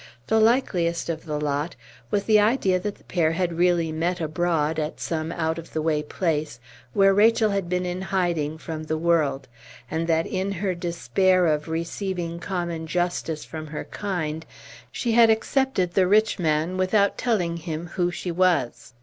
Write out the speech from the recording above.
The likeliest of the lot was the idea that the pair had really met abroad, at some out of the way place, where Rachel had been in hiding from the world, and that in her despair of receiving common justice from her kind, she had accepted the rich man without telling him who she was.